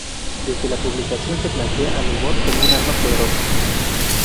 Desde esa publicación se plantea al humor como un arma poderosa.